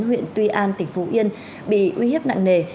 huyện tuy an tỉnh phú yên bị uy hiếp nặng nề